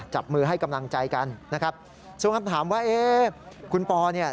จับมือให้กำลังใจกันนะครับส่วนคำถามว่าเอ๊ะคุณปอเนี่ย